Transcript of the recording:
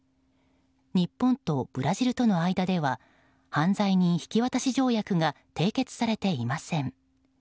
日本とブラジルとの間では犯罪人引渡条約が締結されていません。